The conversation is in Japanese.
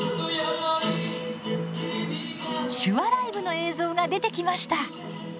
手話ライブの映像が出てきました！